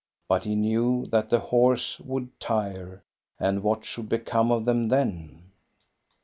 But he knew that the horse would tire, and what should become of them then?